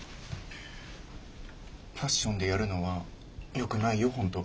ファッションでやるのはよくないよ本当。